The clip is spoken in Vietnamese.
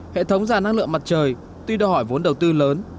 hệ thống giảm năng lượng mặt trời tuy đòi hỏi vốn đầu tư lớn